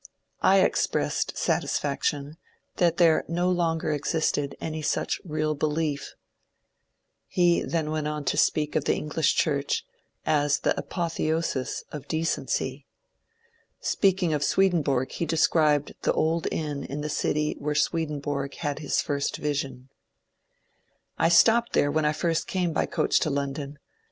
I expressed satis faction that there no longer existed any such real belief. He then went on to speak of the English Church as the ^^ apothe osis of Decency." Speaking of Swedenborg, he described the old inn in the city where Swedenborg had his first vision. ^^ I stopped there when I first came by coach to London.